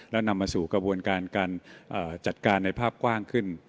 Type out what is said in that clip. แล้วนำมาสู่กระบวนการการจัดการในภาพกว้างขึ้น